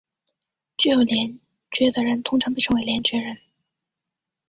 具有联觉的人通常被称作联觉人。